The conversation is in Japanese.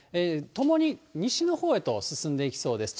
ともに西のほうへと進んでいきそうです。